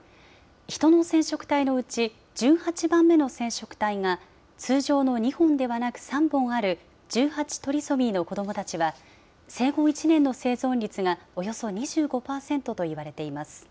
人の染色体のうち、１８番目の染色体が通常の２本ではなく３本ある１８トリソミーの子どもたちは、生後１年の生存率がおよそ２５％といわれています。